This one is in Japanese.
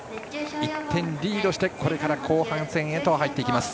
１点リードしてこれから後半戦へと入っていきます。